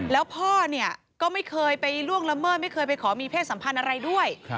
แล้วพ่อเนี่ยก็ไม่เคยไปล่วงละเมิดไม่เคยไปขอมีเพศสัมพันธ์อะไรด้วย